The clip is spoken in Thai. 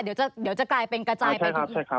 เดี๋ยวจะกลายเป็นกระจายไปอีก